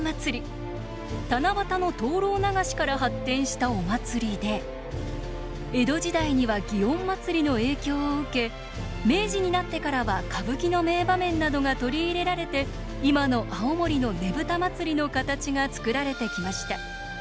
七夕の灯籠流しから発展したお祭りで江戸時代には園祭の影響を受け明治になってからは歌舞伎の名場面などが取り入れられて今の青森のねぶた祭の形がつくられてきました。